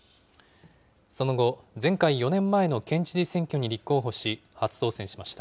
その後、前回・４年前の県知事選挙に立候補し、初当選しました。